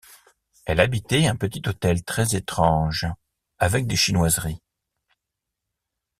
Elle habitait un petit hôtel très étrange avec des chinoiseries.